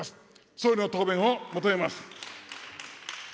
総理の答弁を求めます。